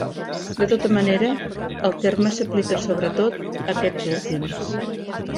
De tota manera, el terme s'aplica sobretot a aquests últims.